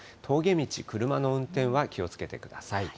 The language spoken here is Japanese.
峠道、車の運転は気をつけてください。